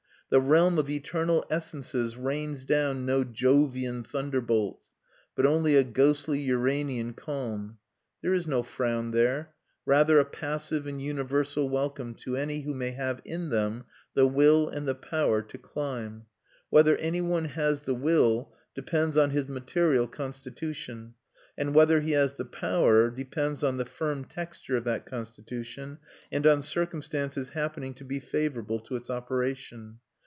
The realm of eternal essences rains down no Jovian thunderbolts, but only a ghostly Uranian calm. There is no frown there; rather, a passive and universal welcome to any who may have in them the will and the power to climb. Whether any one has the will depends on his material constitution, and whether he has the power depends on the firm texture of that constitution and on circumstances happening to be favourable to its operation.